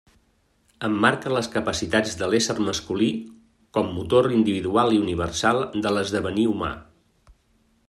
Emmarca les capacitats de l'ésser masculí com motor individual i universal de l'esdevenir humà.